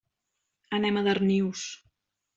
Anem a Darnius.